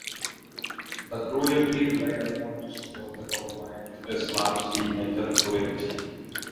The cruelty relied upon to support the complaint is largely mental cruelty.